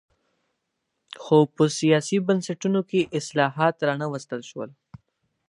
خو په سیاسي بنسټونو کې اصلاحات را نه وستل شول.